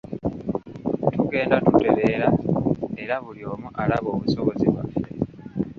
Tugenda tutereera era buli omu alaba obusobozi bwaffe.